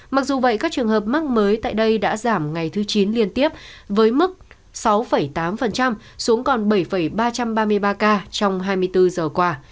mặc dù vậy các trường hợp mắc mới tại đây đã giảm ngày thứ chín liên tiếp với mức sáu tám xuống còn bảy ba trăm ba mươi ba ca trong hai mươi bốn giờ qua